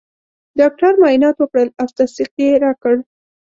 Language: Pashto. ډاکټر معاینات وکړل او تصدیق یې راکړ.